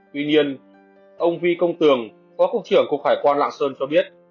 tuy nhiên ông vi công tường phó cục trưởng cục hải quan lạng sơn cho biết